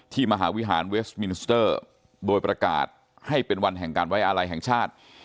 มหาวิหารเวสมินสเตอร์โดยประกาศให้เป็นวันแห่งการไว้อาลัยแห่งชาติ